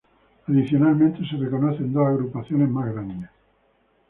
Adicionalmente se reconocen dos agrupaciones más grandes.